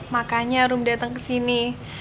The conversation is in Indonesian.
makanya orm dateng kesini